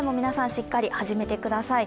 しっかり始めてください。